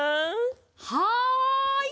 はい！